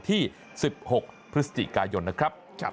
ที่๑๖พฤศจิกายนนะครับ